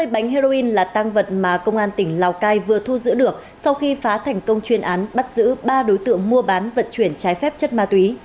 hai mươi bánh heroin là tăng vật mà công an tỉnh lào cai vừa thu giữ được sau khi phá thành công chuyên án bắt giữ ba đối tượng mua bán vận chuyển trái phép chất ma túy